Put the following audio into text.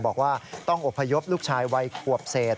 บอกว่าต้องอบพยพลูกชายวัยขวบเศษ